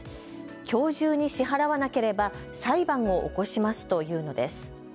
きょう中に支払わなければ裁判を起こしますと言うのです。